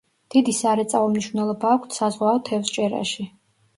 დიდი სარეწაო მნიშვნელობა აქვთ საზღვაო თევზჭერაში.